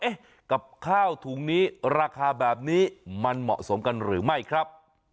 กับข้าวถุงนี้ราคาแบบนี้มันเหมาะสมกันหรือไม่ครับ